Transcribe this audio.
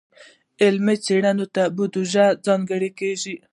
علمي څیړنو ته بودیجه ځانګړې کیږي.